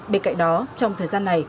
bên cạnh đó trong thời gian này